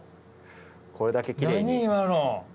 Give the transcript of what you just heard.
これだけきれいに。